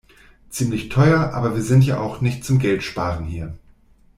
Ziemlich teuer, aber wir sind ja auch nicht zum Geldsparen hier.